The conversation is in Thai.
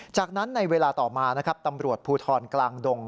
จากนั้นในเวลาต่อมานะครับตำรวจภูทรกลางดง